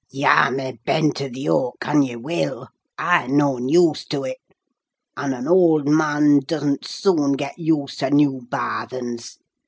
Yah may bend to th' yoak an ye will—I noan used to 't, and an old man doesn't sooin get used to new barthens.